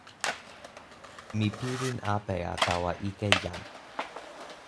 mi pilin apeja tawa ike Jan.